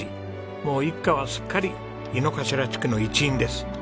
もう一家はすっかり猪之頭地区の一員です。